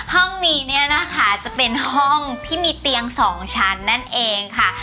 ห้องนี้เนี่ยนะคะจะเป็นห้องที่มีเตียงสองชั้นนั่นเองค่ะ